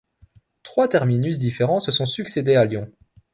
Trois terminus différents se sont succédé à Lyon.